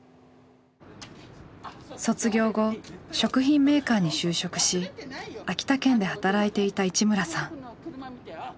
卒業後食品メーカーに就職し秋田県で働いていた市村さん。